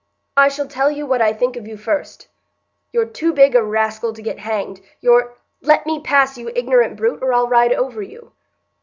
"I shall tell you what I think of you first. You're too big a raskill to get hanged—you're——" "Let me pass, you ignorant brute, or I'll ride over you."